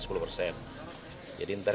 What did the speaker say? jadi ntar kita bisa lihat